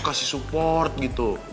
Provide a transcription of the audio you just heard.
kasih support gitu